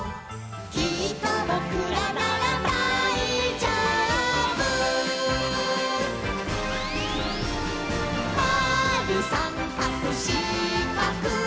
「きっとぼくらならだいじょうぶ」「まるさんかくしかく」